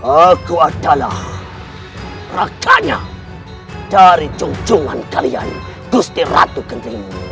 aku adalah rakanya dari cungcungan kalian gusti ratu kendrim